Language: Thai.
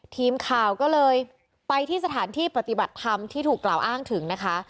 ทีมข่าวก็เลยไปที่สถานที่ปฏิบัติธรรมที่ถูกกล่าวอ้างถึงนะคะ